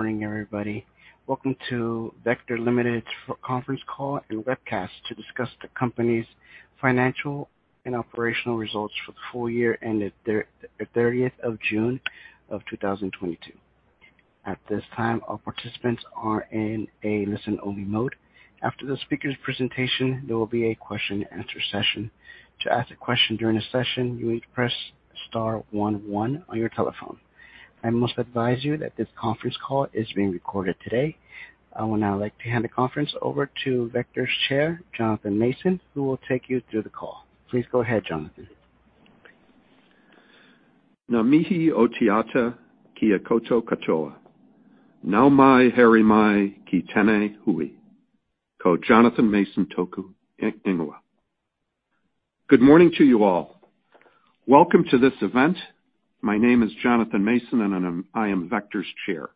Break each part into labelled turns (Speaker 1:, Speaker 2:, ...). Speaker 1: Good morning, everybody. Welcome to Vector Limited's conference call and webcast to discuss the company's financial and operational results for the full year ended 30th June 2022. At this time, all participants are in a listen-only mode. After the speaker's presentation, there will be a question and answer session. To ask a question during the session, you need to press star one one on your telephone. I must advise you that this conference call is being recorded today. I would now like to hand the conference over to Vector's Chair, Jonathan Mason, who will take you through the call. Please go ahead, Jonathan.
Speaker 2: Good morning to you all. Welcome to this event. My name is Jonathan Mason, and I'm Vector's Chair.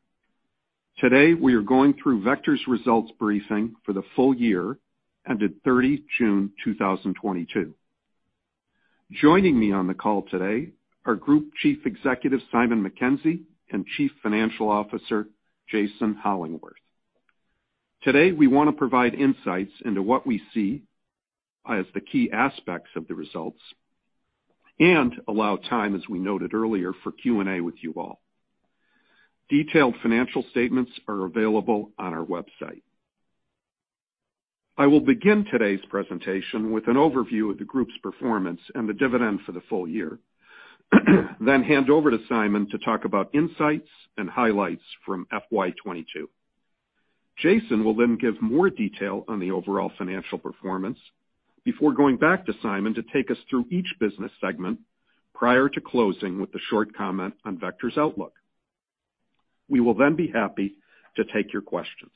Speaker 2: Today, we are going through Vector's results briefing for the full year ended 30 June 2022. Joining me on the call today are Group Chief Executive Simon Mackenzie and Chief Financial Officer Jason Hollingworth. Today, we wanna provide insights into what we see as the key aspects of the results and allow time, as we noted earlier, for Q&A with you all. Detailed financial statements are available on our website. I will begin today's presentation with an overview of the group's performance and the dividend for the full year, then hand over to Simon to talk about insights and highlights from FY 2022. Jason will then give more detail on the overall financial performance before going back to Simon to take us through each business segment prior to closing with a short comment on Vector's outlook. We will then be happy to take your questions.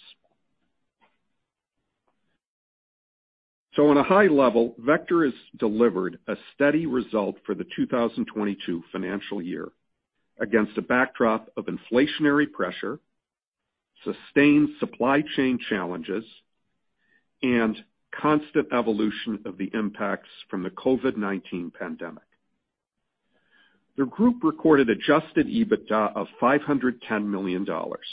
Speaker 2: On a high level, Vector has delivered a steady result for the 2022 financial year against a backdrop of inflationary pressure, sustained supply chain challenges, and constant evolution of the impacts from the COVID-19 pandemic. The group recorded Adjusted EBITDA of 510 million dollars.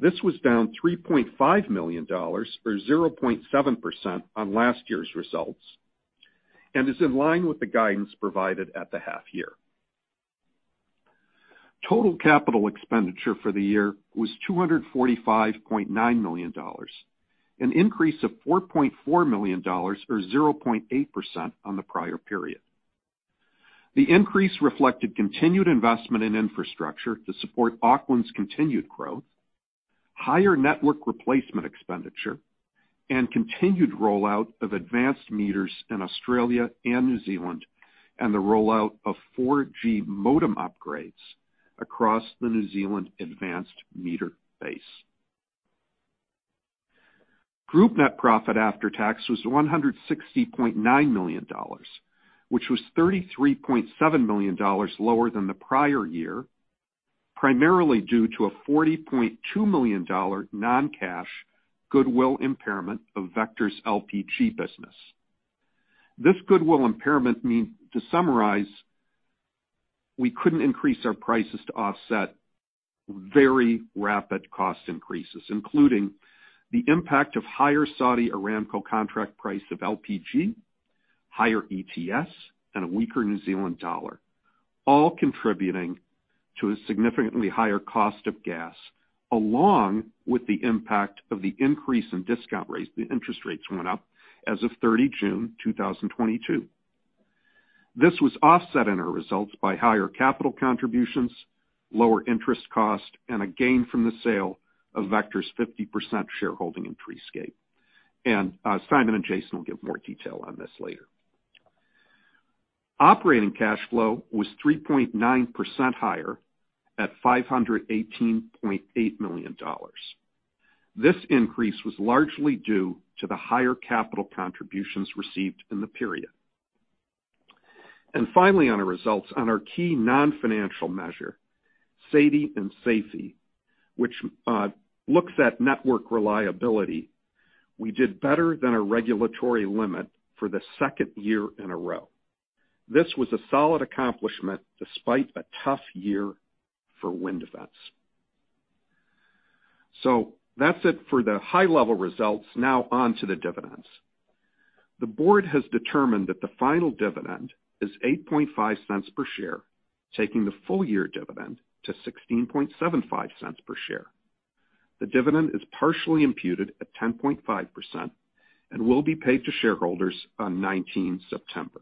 Speaker 2: This was down 3.5 million dollars or 0.7% on last year's results and is in line with the guidance provided at the half year. Total capital expenditure for the year was 245.9 million dollars, an increase of 4.4 million dollars or 0.8% on the prior period. The increase reflected continued investment in infrastructure to support Auckland's continued growth, higher network replacement expenditure, and continued rollout of advanced meters in Australia and New Zealand, and the rollout of 4G modem upgrades across the New Zealand advanced meter base. Group net profit after tax was 160.9 million dollars, which was 33.7 million dollars lower than the prior year, primarily due to a 40.2 million dollar non-cash goodwill impairment of Vector's LPG business. This goodwill impairment means, to summarize, we couldn't increase our prices to offset very rapid cost increases, including the impact of higher Saudi Aramco contract price of LPG, higher ETS, and a weaker New Zealand dollar, all contributing to a significantly higher cost of gas, along with the impact of the increase in discount rates. The interest rates went up as of 30 June 2022. This was offset in our results by higher capital contributions, lower interest cost, and a gain from the sale of Vector's 50% shareholding in Treescape. Simon and Jason will give more detail on this later. Operating cash flow was 3.9% higher at 518.8 million dollars. This increase was largely due to the higher capital contributions received in the period. Finally, on our results on our key non-financial measure, SAIDI and SAIFI, which looks at network reliability, we did better than our regulatory limit for the second year in a row. This was a solid accomplishment despite a tough year for wind events. That's it for the high level results. Now on to the dividends. The board has determined that the final dividend is 0.085 per share, taking the full year dividend to 0.1675 per share. The dividend is partially imputed at 10.5% and will be paid to shareholders on 19 September.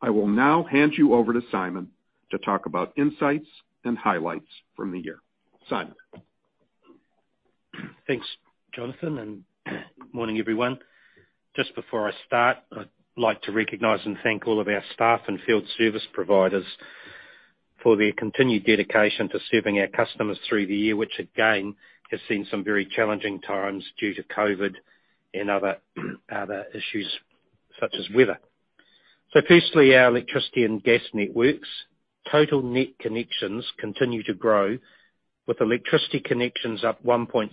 Speaker 2: I will now hand you over to Simon to talk about insights and highlights from the year. Simon.
Speaker 3: Thanks, Jonathan, and morning, everyone. Just before I start, I'd like to recognize and thank all of our staff and field service providers for their continued dedication to serving our customers through the year, which again has seen some very challenging times due to COVID and other issues such as weather. Firstly, our electricity and gas networks. Total net connections continue to grow with electricity connections up 1.6%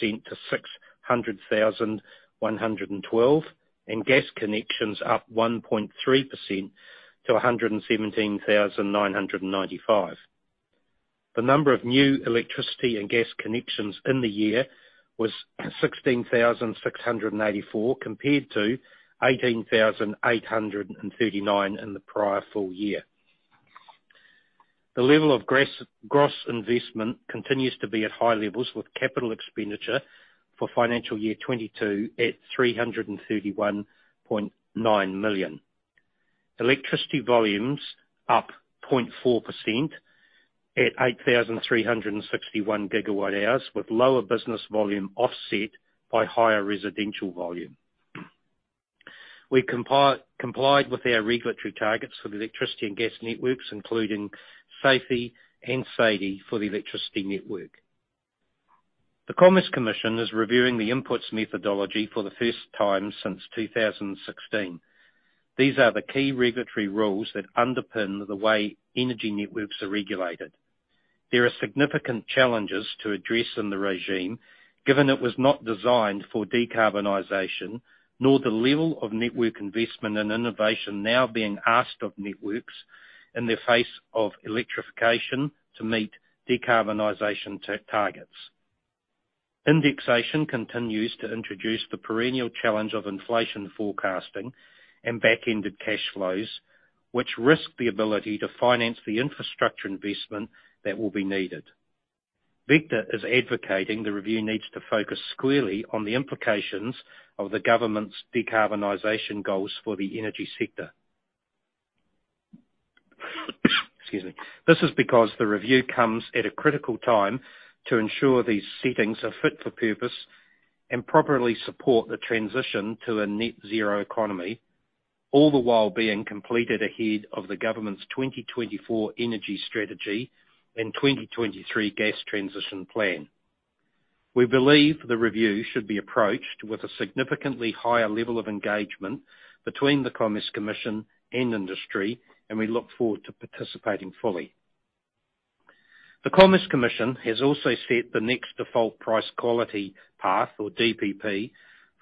Speaker 3: to 600,112 and gas connections up 1.3% to 117,995. The number of new electricity and gas connections in the year was 16,684, compared to 18,839 in the prior full year. The level of gross investment continues to be at high levels with capital expenditure for financial year 2022 at 331.9 million. Electricity volumes up 0.4% at 8,361 GWh with lower business volume offset by higher residential volume. We complied with our regulatory targets for the electricity and gas networks, including safety and SAIDI for the electricity network. The Commerce Commission is reviewing the input methodologies for the first time since 2016. These are the key regulatory rules that underpin the way energy networks are regulated. There are significant challenges to address in the regime, given it was not designed for decarbonization, nor the level of network investment and innovation now being asked of networks in the face of electrification to meet decarbonization targets. Indexation continues to introduce the perennial challenge of inflation forecasting and back-ended cash flows, which risk the ability to finance the infrastructure investment that will be needed. Vector is advocating the review needs to focus squarely on the implications of the government's decarbonization goals for the energy sector. Excuse me. This is because the review comes at a critical time to ensure these settings are fit for purpose and properly support the transition to a net zero economy, all the while being completed ahead of the government's 2024 energy strategy and 2023 gas transition plan. We believe the review should be approached with a significantly higher level of engagement between the Commerce Commission and industry, and we look forward to participating fully. The Commerce Commission has also set the next default price quality path, or DPP,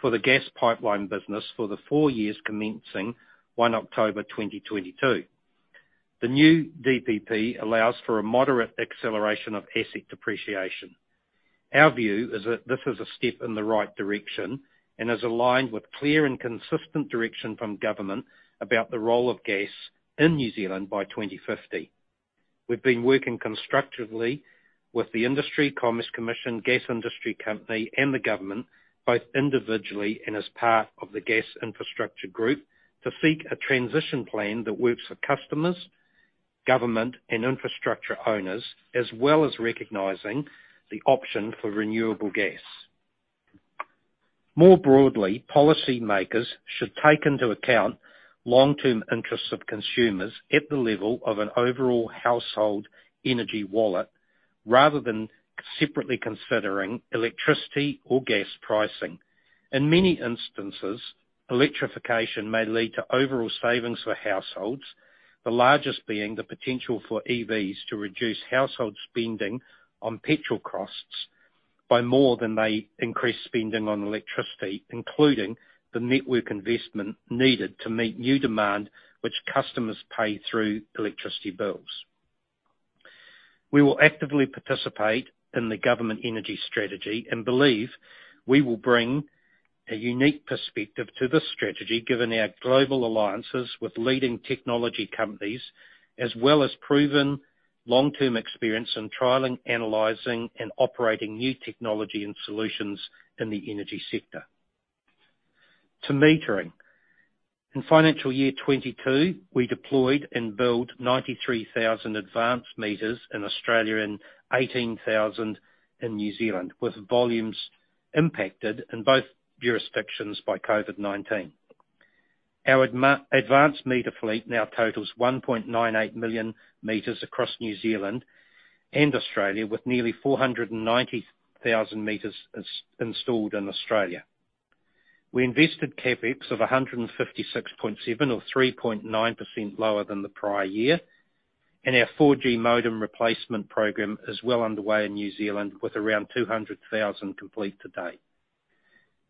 Speaker 3: for the gas pipeline business for the four years commencing 1 October 2022. The new DPP allows for a moderate acceleration of asset depreciation. Our view is that this is a step in the right direction and is aligned with clear and consistent direction from government about the role of gas in New Zealand by 2050. We've been working constructively with the Commerce Commission, Gas Industry Company, and the government both individually and as part of the Gas Infrastructure Group, to seek a transition plan that works for customers, government, and infrastructure owners, as well as recognizing the option for renewable gas. More broadly, policymakers should take into account long-term interests of consumers at the level of an overall household energy wallet rather than separately considering electricity or gas pricing. In many instances, electrification may lead to overall savings for households, the largest being the potential for EVs to reduce household spending on petrol costs by more than they increase spending on electricity including the network investment needed to meet new demand which customers pay through electricity bills. We will actively participate in the government energy strategy and believe we will bring a unique perspective to this strategy given our global alliances with leading technology companies as well as proven long-term experience in trialing, analyzing, and operating new technology and solutions in the energy sector. To metering. In financial year 2022, we deployed and built 93,000 advanced meters in Australia and 18,000 in New Zealand with volumes impacted in both jurisdictions by COVID-19. Our advanced meter fleet now totals 1.98 million meters across New Zealand and Australia with nearly 490,000 meters installed in Australia. We invested CapEx of 156.7, or 3.9% lower than the prior year, and our 4G modem replacement program is well underway in New Zealand with around 200,000 complete to date.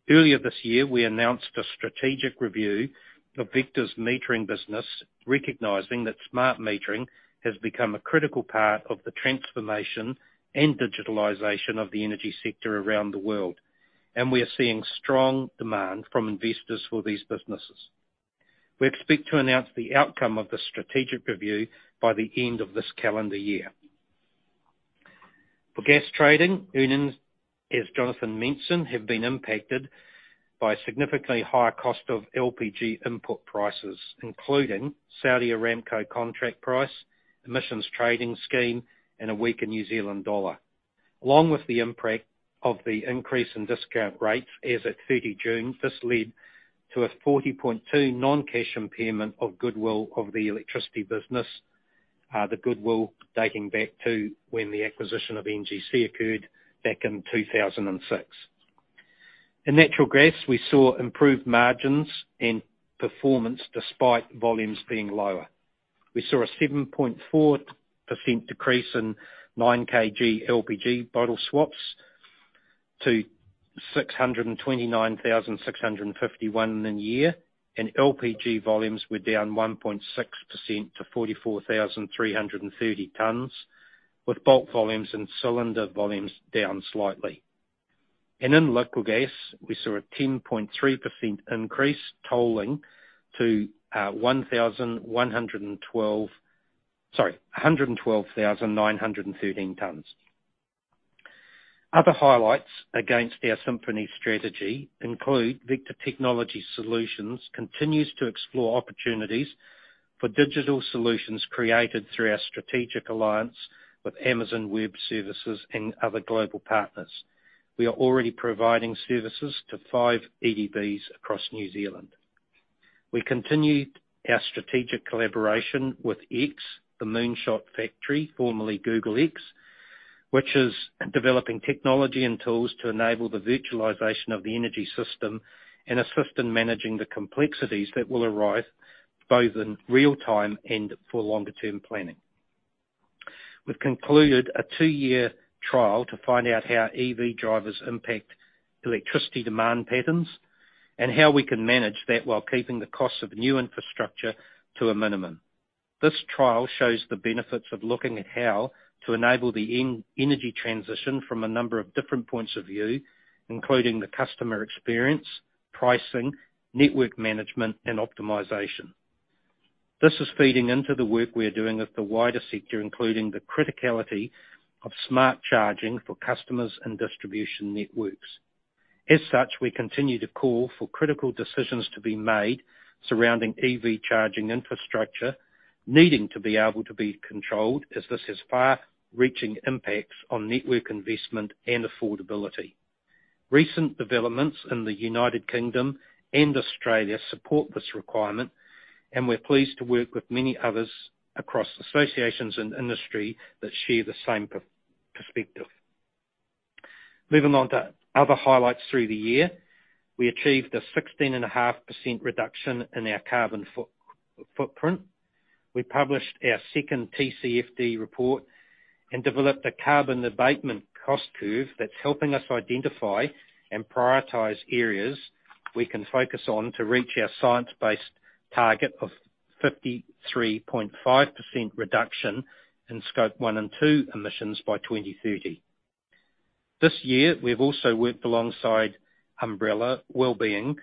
Speaker 3: Earlier this year, we announced a strategic review of Vector's metering business, recognizing that smart metering has become a critical part of the transformation and digitalization of the energy sector around the world, and we are seeing strong demand from investors for these businesses. We expect to announce the outcome of the strategic review by the end of this calendar year. For gas trading earnings, as Jonathan mentioned, have been impacted by significantly higher cost of LPG input prices including Saudi Aramco contract price, emissions trading scheme, and a weaker New Zealand dollar. Along with the impact of the increase in discount rates as at 30 June, this led to a 40.2 non-cash impairment of goodwill of the electricity business, the goodwill dating back to when the acquisition of NGC occurred back in 2006. In natural gas, we saw improved margins and performance despite volumes being lower. We saw a 7.4% decrease in 9 kg LPG bottle swaps to 629,651 in the year, and LPG volumes were down 1.6% to 44,330 tons with bulk volumes and cylinder volumes down slightly. In local gas, we saw a 10.3% increase totaling to 112,913 tons. Other highlights against our Symphony Strategy include Vector Technology Solutions continues to explore opportunities for digital solutions created through our strategic alliance with Amazon Web Services and other global partners. We are already providing services to five EDBs across New Zealand. We continued our strategic collaboration with X, the Moonshot Factory, formerly Google X, which is developing technology and tools to enable the virtualization of the energy system and assist in managing the complexities that will arise both in real time and for longer term planning. We've concluded a two-year trial to find out how EV drivers impact electricity demand patterns, and how we can manage that while keeping the cost of new infrastructure to a minimum. This trial shows the benefits of looking at how to enable the energy transition from a number of different points of view, including the customer experience, pricing, network management, and optimization. This is feeding into the work we are doing with the wider sector, including the criticality of smart charging for customers and distribution networks. As such, we continue to call for critical decisions to be made surrounding EV charging infrastructure needing to be able to be controlled, as this has far-reaching impacts on network investment and affordability. Recent developments in the United Kingdom and Australia support this requirement, and we're pleased to work with many others across associations and industry that share the same perspective. Moving on to other highlights through the year. We achieved a 16.5% reduction in our carbon footprint. We published our second TCFD report and developed a carbon abatement cost curve that's helping us identify and prioritize areas we can focus on to reach our science-based target of 53.5% reduction in Scope one and two emissions by 2030. This year, we have also worked alongside Umbrella Wellbeing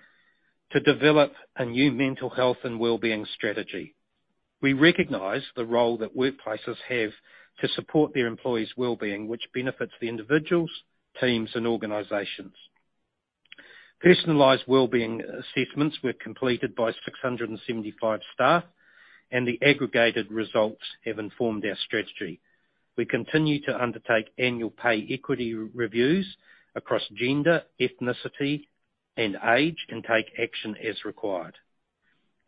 Speaker 3: to develop a new mental health and wellbeing strategy. We recognize the role that workplaces have to support their employees' wellbeing, which benefits the individuals, teams, and organizations. Personalized wellbeing assessments were completed by 675 staff, and the aggregated results have informed our strategy. We continue to undertake annual pay equity reviews across gender, ethnicity, and age, and take action as required.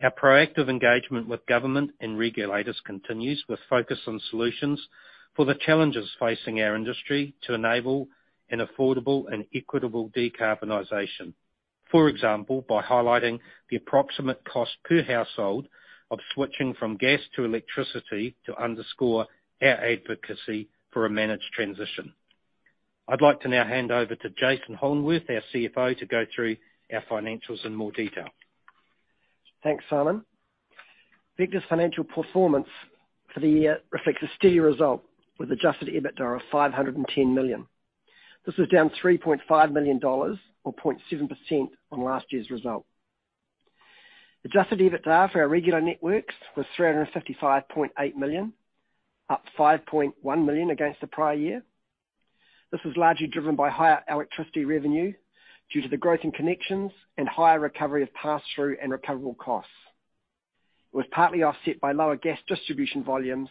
Speaker 3: Our proactive engagement with government and regulators continues with focus on solutions for the challenges facing our industry to enable an affordable and equitable decarbonization. For example, by highlighting the approximate cost per household of switching from gas to electricity to underscore our advocacy for a managed transition. I'd like to now hand over to Jason Hollingworth, our CFO, to go through our financials in more detail.
Speaker 4: Thanks, Simon. Vector's financial performance for the year reflects a steady result with Adjusted EBITDA of 510 million. This was down 3.5 million dollars or 0.7% on last year's result. Adjusted EBITDA for our regulated networks was 355.8 million, up 5.1 million against the prior year. This was largely driven by higher electricity revenue due to the growth in connections and higher recovery of pass-through and recoverable costs. It was partly offset by lower gas distribution volumes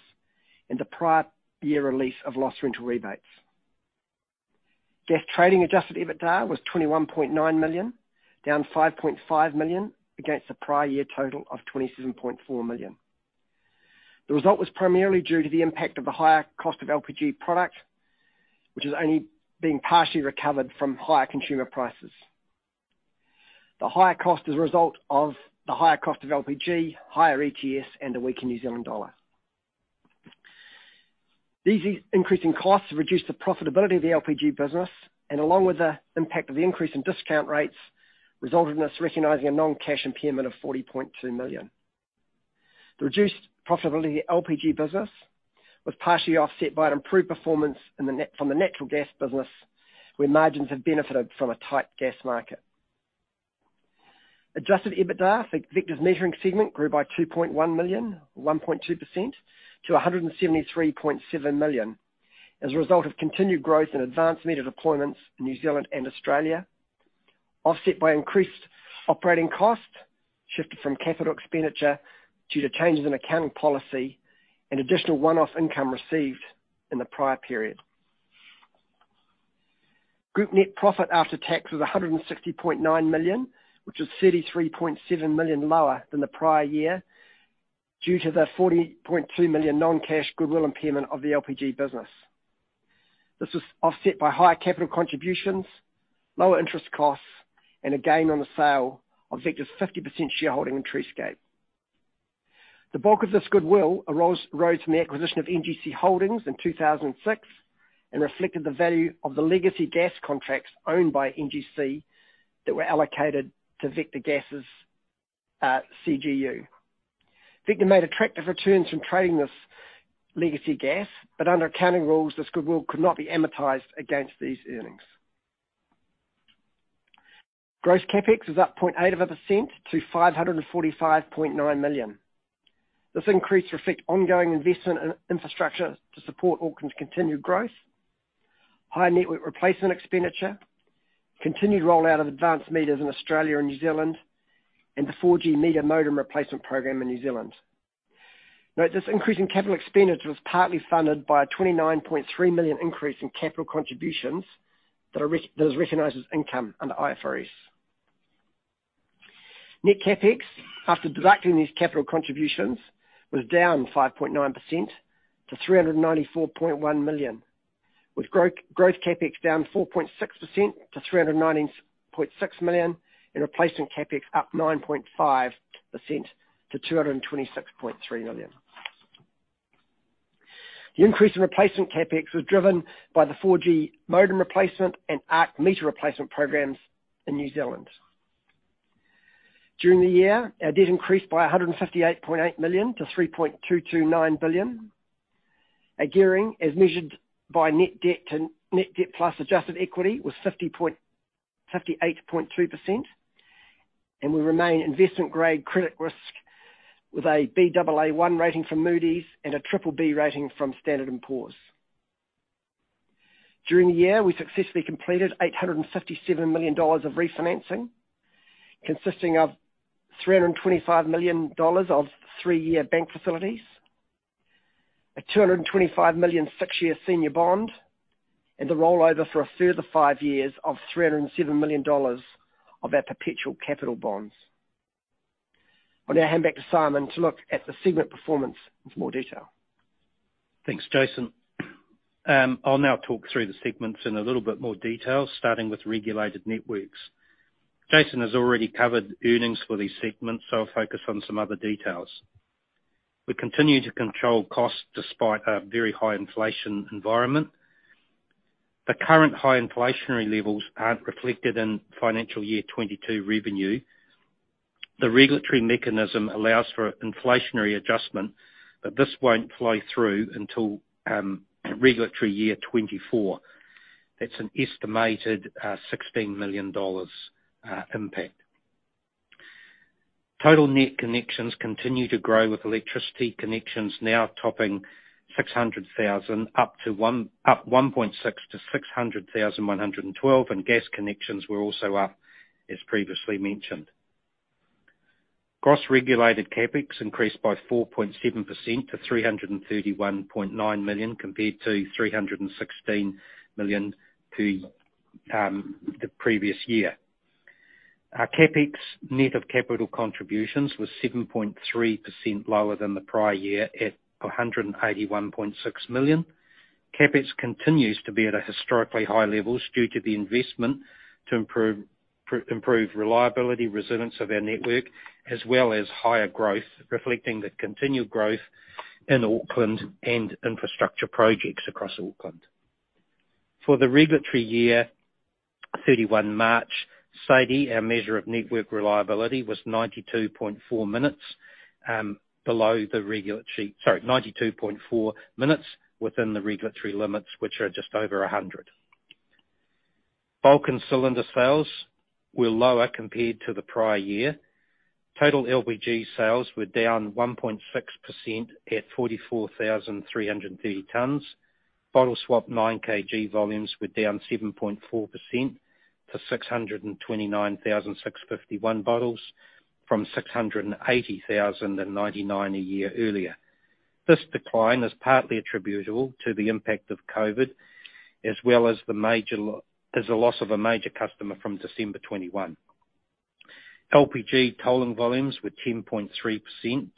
Speaker 4: and the prior year release of Loss Rental Rebates. Gas trading Adjusted EBITDA was 21.9 million, down 5.5 million against the prior year total of 27.4 million. The result was primarily due to the impact of the higher cost of LPG product, which is only being partially recovered from higher consumer prices. The higher cost is a result of the higher cost of LPG, higher ETS, and a weaker New Zealand dollar. These increasing costs have reduced the profitability of the LPG business and along with the impact of the increase in discount rates, resulted in us recognizing a non-cash impairment of 40.2 million. The reduced profitability of the LPG business was partially offset by an improved performance from the natural gas business, where margins have benefited from a tight gas market. Adjusted EBITDA for Vector's Metering segment grew by 2.1 million, or 1.2%, to 173.7 million as a result of continued growth in advanced meter deployments in New Zealand and Australia, offset by increased operating costs shifted from capital expenditure due to changes in accounting policy and additional one-off income received in the prior period. Group net profit after tax was 160.9 million, which was 33.7 million lower than the prior year due to the 40.2 million non-cash goodwill impairment of the LPG business. This was offset by higher capital contributions, lower interest costs, and a gain on the sale of Vector's 50% shareholding in Treescape. The bulk of this goodwill arose from the acquisition of NGC Holdings in 2006, and reflected the value of the legacy gas contracts owned by NGC that were allocated to Vector Gas's CGU. Vector made attractive returns from trading this legacy gas, but under accounting rules, this goodwill could not be amortized against these earnings. Gross CapEx is up 0.8% to 545.9 million. This increase reflect ongoing investment in infrastructure to support Auckland's continued growth, high network replacement expenditure, continued rollout of advanced meters in Australia and New Zealand, and the 4G meter modem replacement program in New Zealand. Note, this increase in capital expenditure was partly funded by a 29.3 million increase in capital contributions that is recognized as income under IFRS. Net CapEx, after deducting these capital contributions, was down 5.9% to 394.1 million with growth CapEx down 4.6% to 390.6 million, and replacement CapEx up 9.5% to 226.3 million. The increase in replacement CapEx was driven by the 4G modem replacement and AMI meter replacement programs in New Zealand. During the year, our debt increased by 158.8 million to 3.229 billion. Our gearing, as measured by net debt plus adjusted equity, was 58.2%, and we remain investment-grade credit risk with a Baa1 rating from Moody's and a BBB rating from Standard & Poor's. During the year, we successfully completed 857 million dollars of refinancing, consisting of 325 million dollars of three-year bank facilities, a 225 million six-year senior bond, and the rollover for a further five years of 307 million dollars of our perpetual capital bonds. I'll now hand back to Simon to look at the segment performance in more detail.
Speaker 3: Thanks, Jason. I'll now talk through the segments in a little bit more detail, starting with regulated networks. Jason has already covered earnings for these segments, so I'll focus on some other details. We continue to control costs despite our very high inflation environment. The current high inflationary levels aren't reflected in financial year 2022 revenue. The regulatory mechanism allows for inflationary adjustment, but this won't flow through until regulatory year 2024. That's an estimated 16 million dollars impact. Total net connections continue to grow with electricity connections now topping 600,000, up 1.6% to 600,112, and gas connections were also up, as previously mentioned. Gross regulated CapEx increased by 4.7% to 331.9 million, compared to 316 million in the previous year. Our CapEx net of capital contributions was 7.3% lower than the prior year, at 181.6 million. CapEx continues to be at a historically high levels due to the investment to improve reliability, resilience of our network, as well as higher growth, reflecting the continued growth in Auckland and infrastructure projects across Auckland. For the regulatory year 31 March, SAIDI, our measure of network reliability, was 92.4 minutes within the regulatory limits, which are just over 100. Bulk and cylinder sales were lower compared to the prior year. Total LPG sales were down 1.6% at 44,330 tons. Bottle swap 9 kg volumes were down 7.4% to 629,651 bottles from 680,099 a year earlier. This decline is partly attributable to the impact of COVID, as well as the loss of a major customer from December 2021. LPG tolling volumes were up 10.3%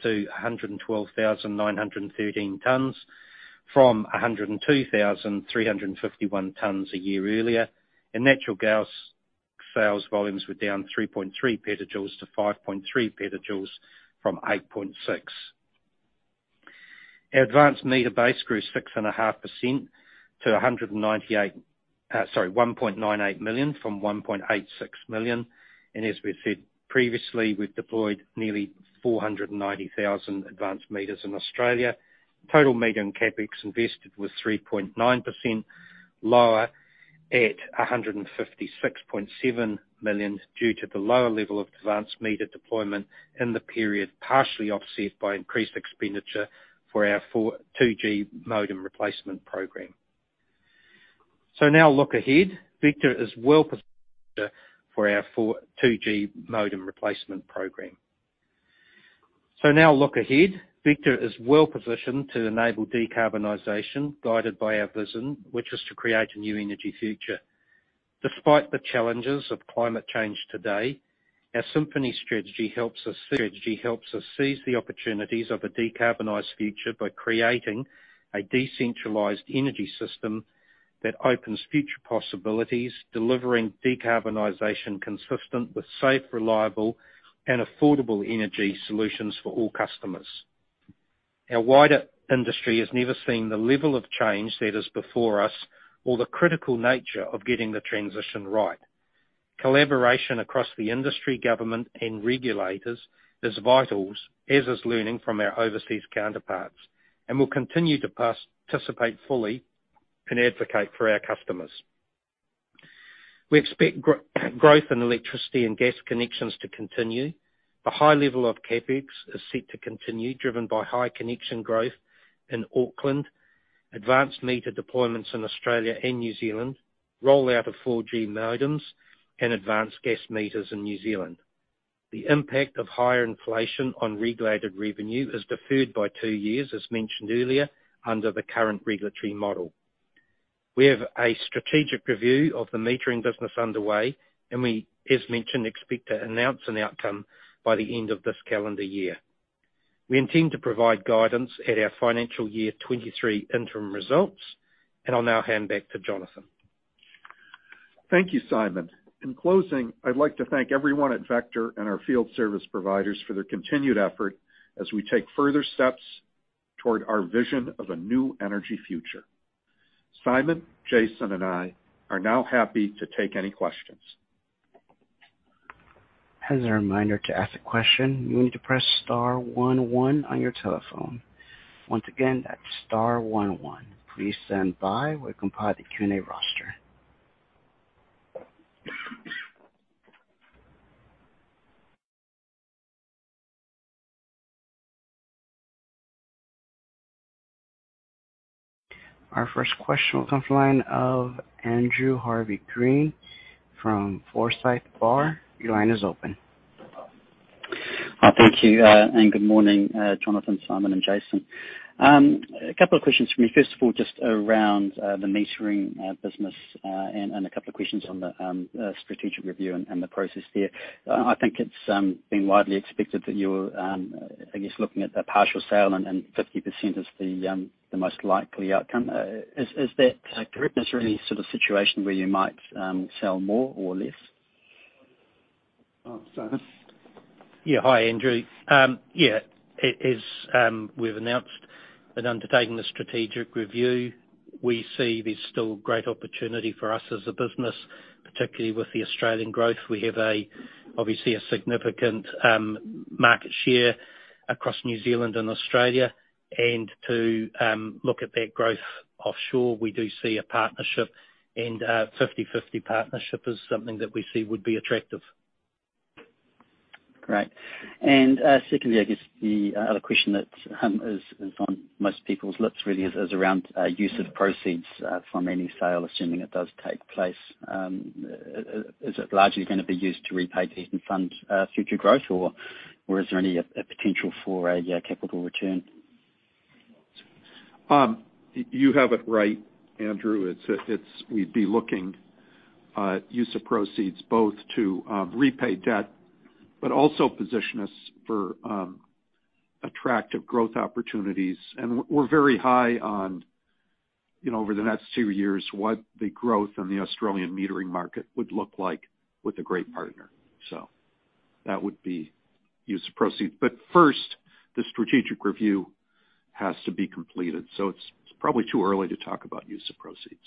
Speaker 3: to 112,913 tons from 102,351 tons a year earlier, and natural gas sales volumes were down 3.3 PJ-5.3 PJ from 8.6 PJ. Our advanced meter base grew 6.5% to 1.98 million from 1.86 million. We've said previously, we've deployed nearly 490,000 advanced meters in Australia. Total meter and CapEx invested was 3.9% lower at 156.7 million due to the lower level of advanced meter deployment in the period, partially offset by increased expenditure for our 2G modem replacement program. Now look ahead. Vector is well positioned to enable decarbonization guided by our vision, which is to create a new energy future. Despite the challenges of climate change today, our Symphony strategy helps us seize the opportunities of a decarbonized future by creating a decentralized energy system that opens future possibilities, delivering decarbonization consistent with safe, reliable, and affordable energy solutions for all customers. Our wider industry has never seen the level of change that is before us or the critical nature of getting the transition right. Collaboration across the industry, government, and regulators is vital, as is learning from our overseas counterparts, and we'll continue to participate fully and advocate for our customers. We expect growth in electricity and gas connections to continue. The high level of CapEx is set to continue, driven by high connection growth in Auckland, advanced meter deployments in Australia and New Zealand, rollout of 4G modems, and advanced gas meters in New Zealand. The impact of higher inflation on regulated revenue is deferred by two years, as mentioned earlier, under the current regulatory model. We have a strategic review of the metering business underway, and we, as mentioned, expect to announce an outcome by the end of this calendar year. We intend to provide guidance at our financial year 2023 interim results, and I'll now hand back to Jonathan.
Speaker 2: Thank you Simon. In closing, I'd like to thank everyone at Vector and our field service providers for their continued effort as we take further steps toward our vision of a new energy future. Simon, Jason, and I are now happy to take any questions.
Speaker 1: As a reminder, to ask a question, you need to press star one one on your telephone. Once again, that's star one one. Please stand by while we compile the Q&A roster. Our first question will come from the line of Andrew Harvey-Green from Forsyth Barr. Your line is open.
Speaker 5: Hi. Thank you and good morning, Jonathan, Simon, and Jason. A couple of questions from me. First of all, just around the metering business, and a couple of questions on the strategic review and the process there. I think it's been widely expected that you're, I guess, looking at a partial sale and 50% is the most likely outcome. Is that correct? Is there any sort of situation where you might sell more or less?
Speaker 2: Simon.
Speaker 3: Yeah. Hi, Andrew. We've announced in undertaking the strategic review, we see there's still great opportunity for us as a business, particularly with the Australian growth. We have, obviously, a significant market share across New Zealand and Australia. To look at that growth offshore, we do see a partnership. 50/50 partnership is something that we see would be attractive.
Speaker 5: Great. Secondly, I guess the other question that is on most people's lips really is around use of proceeds from any sale, assuming it does take place. Is it largely gonna be used to repay debt and fund future growth, or is there any potential for a capital return?
Speaker 2: You have it right, Andrew. We'd be looking at use of proceeds both to repay debt, but also position us for attractive growth opportunities. We're very high on, you know, over the next two years, what the growth in the Australian metering market would look like with a great partner. That would be use of proceeds. First, the strategic review has to be completed, so it's probably too early to talk about use of proceeds.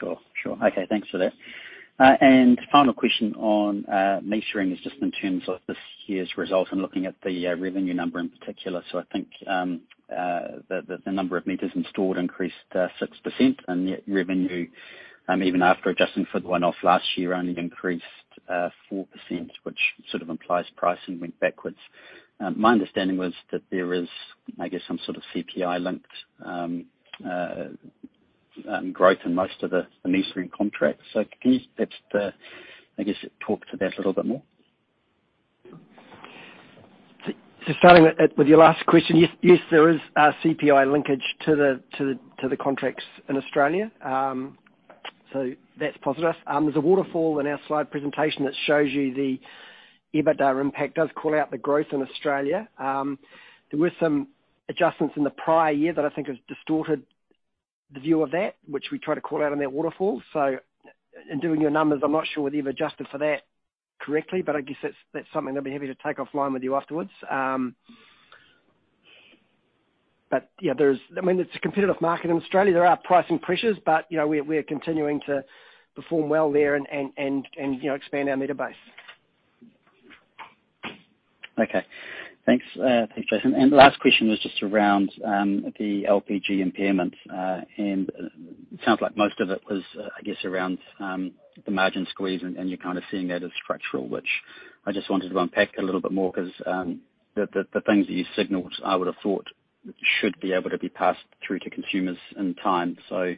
Speaker 5: Sure. Okay. Thanks for that. Final question on metering is just in terms of this year's results and looking at the revenue number in particular. I think the number of meters installed increased 6%, and yet revenue even after adjusting for the one-off last year only increased 4%, which sort of implies pricing went backwards. My understanding was that there is some sort of CPI-linked growth in most of the metering contracts. Can you perhaps I guess talk to that a little bit more?
Speaker 4: Starting with your last question, yes, there is a CPI linkage to the contracts in Australia. That's positive. There's a waterfall in our slide presentation that shows you the EBITDA impact. It does call out the growth in Australia. There were some adjustments in the prior year that I think has distorted the view of that, which we try to call out in that waterfall. In doing your numbers, I'm not sure whether you've adjusted for that correctly, but I guess that's something that I'd be happy to take offline with you afterwards. But yeah, there's I mean, it's a competitive market in Australia. There are pricing pressures, but you know, we are continuing to perform well there and you know, expand our meter base.
Speaker 5: Okay. Thanks. Thanks, Jason. The last question is just around the LPG impairment. It sounds like most of it was, I guess, around the margin squeeze, and you're kind of seeing that as structural, which I just wanted to unpack a little bit more 'cause the things that you signaled I would have thought should be able to be passed through to consumers in time. Yeah,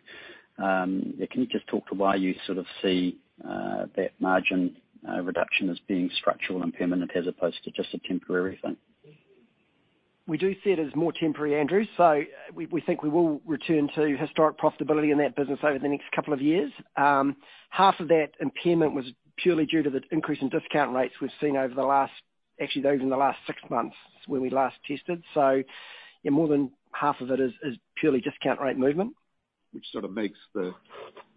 Speaker 5: can you just talk to why you sort of see that margin reduction as being structural and permanent as opposed to just a temporary thing?
Speaker 4: We do see it as more temporary, Andrew. We think we will return to historic profitability in that business over the next couple of years. Half of that impairment was purely due to the increase in discount rates we've seen over the last six months when we last tested. Yeah, more than half of it is purely discount rate movement.
Speaker 2: Which sort of makes the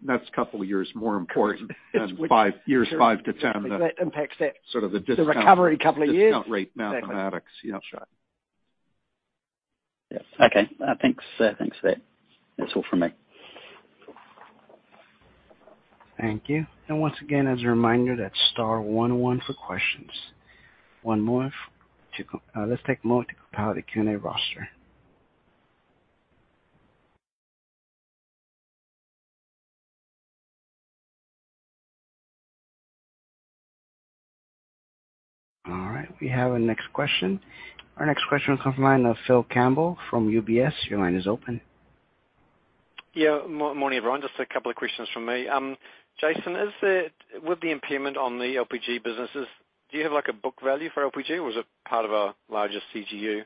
Speaker 2: next couple of years more important than five, years five-10.
Speaker 4: That impacts that.
Speaker 2: Sort of the discount-
Speaker 4: The recovery couple of years.
Speaker 2: Discount rate mathematics. Yeah.
Speaker 5: Sure. Yeah. Okay. Thanks for that. That's all for me.
Speaker 1: Thank you. Once again, as a reminder, that's star one one for questions. One moment. Let's take a moment to compile the Q&A roster. All right, we have a next question. Our next question comes from the line of Phil Campbell from UBS. Your line is open.
Speaker 6: Morning, everyone. Just a couple of questions from me. Jason, with the impairment on the LPG businesses, do you have like a book value for LPG, or was it part of a larger CGU?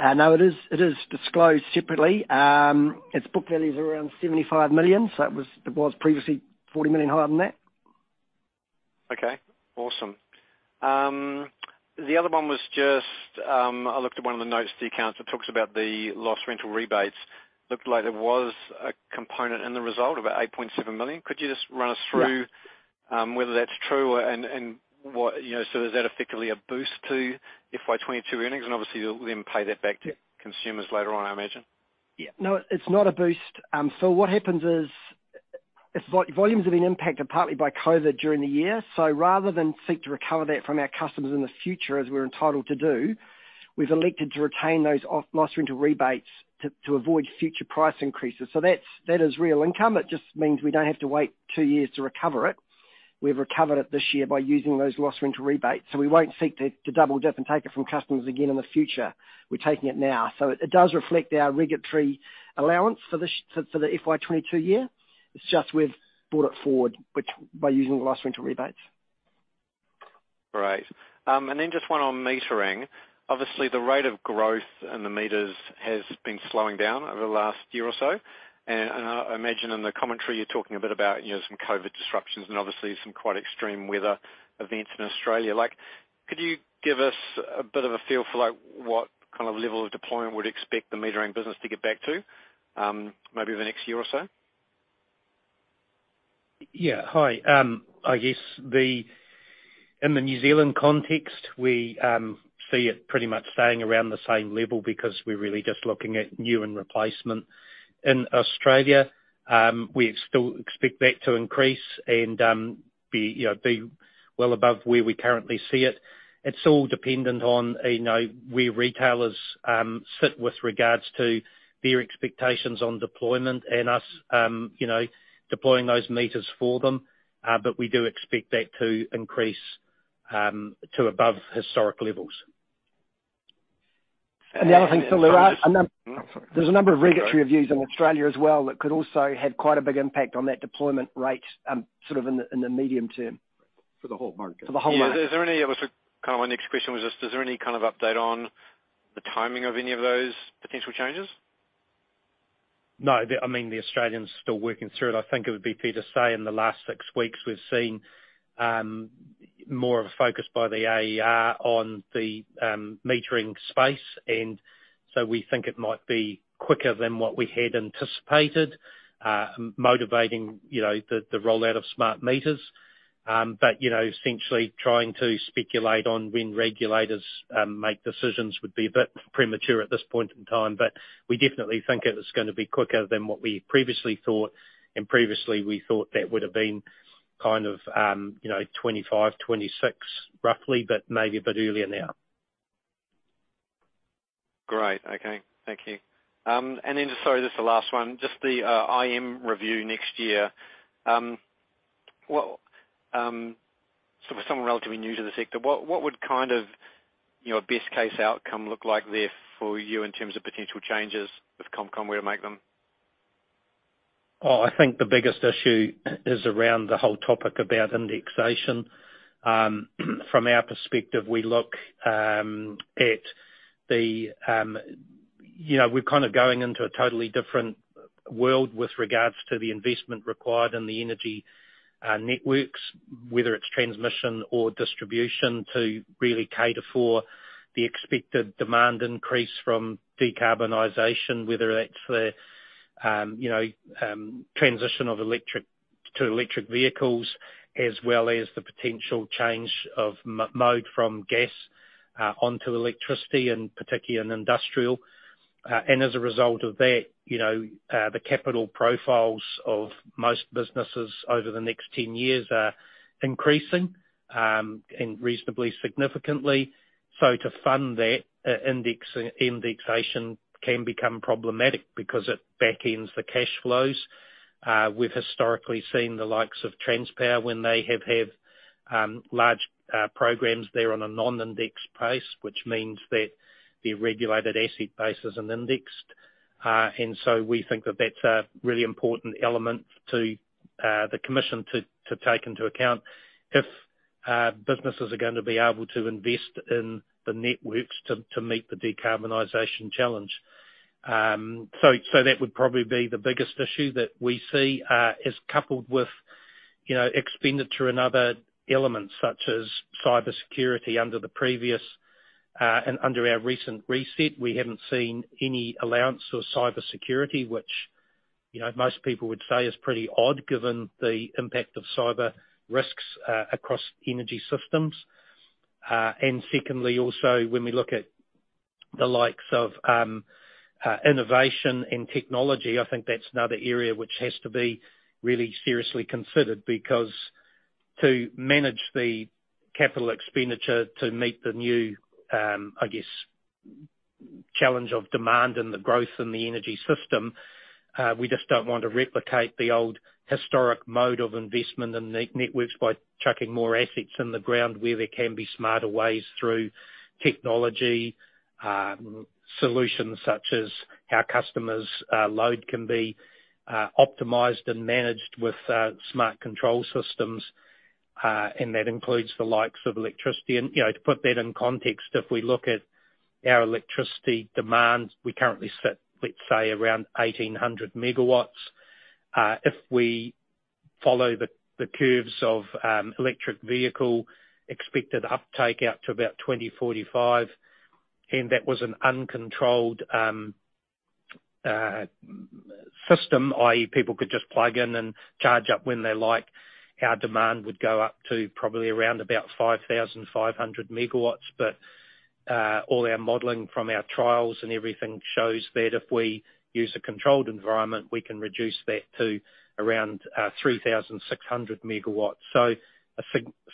Speaker 4: No, it is disclosed separately. Its book value is around 75 million. It was previously 40 million higher than that.
Speaker 6: Okay. Awesome. The other one was just, I looked at one of the notes, the accounts that talks about the Loss Rental Rebates. Looked like there was a component in the result, about 8.7 million. Could you just run us through?
Speaker 4: Yeah
Speaker 6: Is that effectively a boost to FY 2022 earnings? Obviously you'll then pay that back to consumers later on, I imagine.
Speaker 4: Yeah. No, it's not a boost. What happens is, it's like volumes have been impacted partly by COVID during the year. Rather than seek to recover that from our customers in the future, as we're entitled to do, we've elected to retain those Loss Rental Rebates to avoid future price increases. That is real income. It just means we don't have to wait two years to recover it. We've recovered it this year by using those Loss Rental Rebates. We won't seek to double-dip and take it from customers again in the future. We're taking it now. It does reflect our regulatory allowance for this, for the FY 2022 year. It's just we've brought it forward, which by using the Loss Rental Rebates.
Speaker 6: Great. Then just one on metering. Obviously, the rate of growth in the meters has been slowing down over the last year or so. I imagine in the commentary you're talking a bit about, you know, some COVID disruptions and obviously some quite extreme weather events in Australia. Like, could you give us a bit of a feel for, like, what kind of level of deployment would expect the metering business to get back to, maybe over the next year or so?
Speaker 3: In the New Zealand context, we see it pretty much staying around the same level because we're really just looking at new and replacement. In Australia, we still expect that to increase and be, you know, well above where we currently see it. It's all dependent on, you know, where retailers sit with regards to their expectations on deployment and us, you know, deploying those meters for them. We do expect that to increase to above historic levels.
Speaker 4: The other thing, Phil, there are a num-
Speaker 6: Oh, sorry.
Speaker 4: There's a number of regulatory reviews in Australia as well that could also have quite a big impact on that deployment rate, sort of in the medium term.
Speaker 3: For the whole market.
Speaker 4: For the whole market.
Speaker 6: Yeah. Is there any? Obviously, kind of my next question was just, is there any kind of update on the timing of any of those potential changes?
Speaker 3: No. I mean, the Australians still working through it. I think it would be fair to say in the last six weeks we've seen more of a focus by the AER on the metering space. We think it might be quicker than what we had anticipated, motivating, you know, the rollout of smart meters. But, you know, essentially trying to speculate on when regulators make decisions would be a bit premature at this point in time. But we definitely think it is gonna be quicker than what we previously thought, and previously we thought that would have been kind of, you know, 2025, 2026 roughly, but maybe a bit earlier now.
Speaker 6: Great. Okay. Thank you. Sorry, just the last one. Just the IM review next year. What would kind of, you know, a best case outcome look like there for you in terms of potential changes if Com Com were to make them?
Speaker 3: I think the biggest issue is around the whole topic about indexation. From our perspective, we look at the you know, we're kind of going into a totally different world with regards to the investment required in the energy networks, whether it's transmission or distribution, to really cater for the expected demand increase from decarbonization, whether that's the you know, transition to electric vehicles, as well as the potential change of mode from gas onto electricity and particularly in industrial. As a result of that, you know, the capital profiles of most businesses over the next 10 years are increasing and reasonably significantly. To fund that, indexation can become problematic because it backends the cash flows. We've historically seen the likes of Transpower when they have had large programs. They're on a non-indexed base, which means that the regulated asset base isn't indexed. We think that that's a really important element to the commission to take into account if businesses are gonna be able to invest in the networks to meet the decarbonization challenge. That would probably be the biggest issue that we see is coupled with you know, expenditure and other elements such as cybersecurity under the previous and under our recent reset, we haven't seen any allowance for cybersecurity, which, you know, most people would say is pretty odd given the impact of cyber risks across energy systems. Secondly, also, when we look at the likes of innovation and technology, I think that's another area which has to be really seriously considered. Because to manage the capital expenditure to meet the new, I guess, challenge of demand and the growth in the energy system, we just don't want to replicate the old historic mode of investment in networks by chucking more assets in the ground where there can be smarter ways through technology, solutions such as our customers' load can be optimized and managed with smart control systems, and that includes the likes of electricity. You know, to put that in context, if we look at our electricity demands, we currently sit, let's say, around 1,800 MW. If we follow the curves of electric vehicle expected uptake out to about 2045, and that was an uncontrolled system, i.e., people could just plug in and charge up when they like, our demand would go up to probably around 5,500 MW. All our modeling from our trials and everything shows that if we use a controlled environment, we can reduce that to around 3,600 MW. A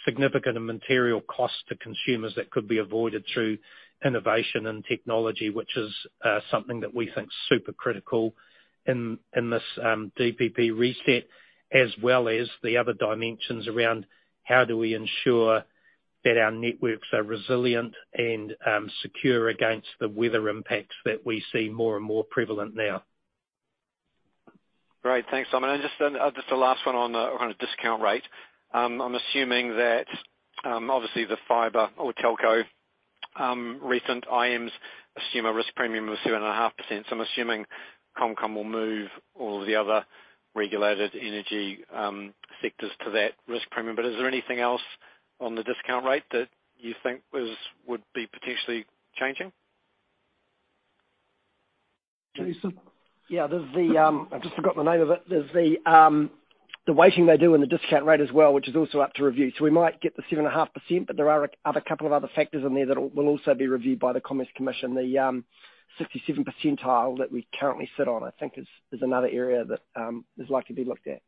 Speaker 3: significant and material cost to consumers that could be avoided through innovation and technology, which is something that we think super critical in this DPP reset, as well as the other dimensions around how do we ensure that our networks are resilient and secure against the weather impacts that we see more and more prevalent now.
Speaker 6: Great. Thanks, Simon. Just a last one on a discount rate. I'm assuming that obviously the fiber or telco recent IMs assume a risk premium of 7.5%. I'm assuming ComCom will move all the other regulated energy sectors to that risk premium. Is there anything else on the discount rate that you think would be potentially changing?
Speaker 3: Jason?
Speaker 4: Yeah. There's the, I've just forgot the name of it. There's the weighting they do and the discount rate as well, which is also up to review. We might get the 7.5%, but there are a couple of other factors in there that'll also be reviewed by the Commerce Commission. The 67 percentile that we currently sit on, I think is another area that is likely to be looked at.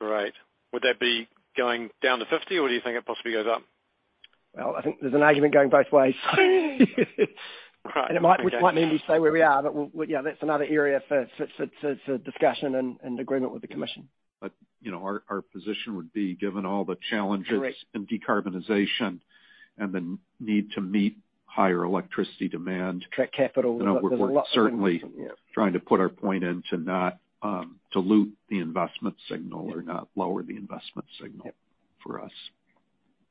Speaker 6: Great. Would that be going down to 50, or do you think it possibly goes up?
Speaker 4: Well, I think there's an argument going both ways.
Speaker 6: Right.
Speaker 4: It might, which might mean we stay where we are, but we'll. Yeah. That's another area for discussion and agreement with the commission.
Speaker 2: You know, our position would be given all the challenges.
Speaker 4: Correct
Speaker 2: decarbonization and the need to meet higher electricity demand.
Speaker 4: Attract capital. There's a lot
Speaker 2: We're certainly trying to put our point in to not dilute the investment signal or not lower the investment signal.
Speaker 4: Yep.
Speaker 2: for us,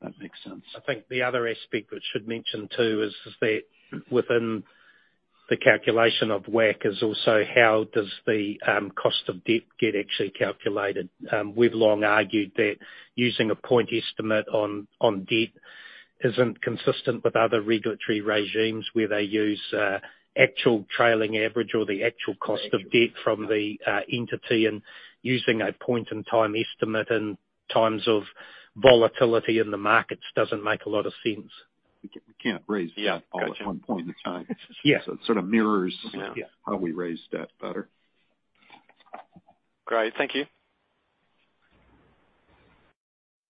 Speaker 2: if that makes sense.
Speaker 3: I think the other aspect we should mention too is that within the calculation of WACC is also how does the cost of debt get actually calculated. We've long argued that using a point estimate on debt isn't consistent with other regulatory regimes where they use actual trailing average or the actual cost of debt from the entity. Using a point in time estimate in times of volatility in the markets doesn't make a lot of sense.
Speaker 2: We can't raise debt all at one point in time.
Speaker 3: Yeah.
Speaker 2: It sort of mirrors.
Speaker 3: Yeah.
Speaker 2: how we raise debt better.
Speaker 6: Great. Thank you.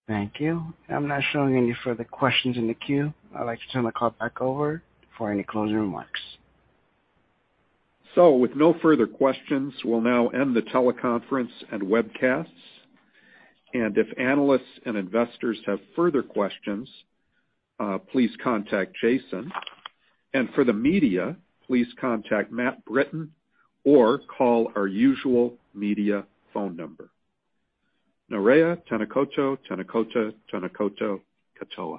Speaker 1: Thank you. I'm not showing any further questions in the queue. I'd like to turn the call back over for any closing remarks.
Speaker 2: With no further questions, we'll now end the teleconference and webcasts. If analysts and investors have further questions, please contact Jason. For the media, please contact Matt Britton or call our usual media phone number. Nō reira, tēnā koutou, tēnā koutou, tēnā koutou katoa.